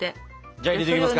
じゃあ入れていきますか。